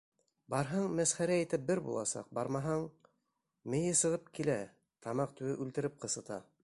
Барһаң мәсхәрә итеп бер буласаҡ, бармаһаң... мейе сығып килә, тамаҡ төбө үлтереп ҡысыта.